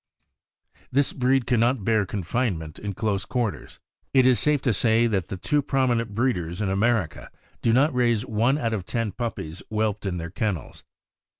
This breed can not bear confinement in close quarters. It is safe to say that the two prominent breeders in Amer ica do not raise one out of ten puppies whelped in their kennels.